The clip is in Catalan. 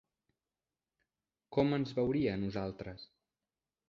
Com ens veuria a nosaltres?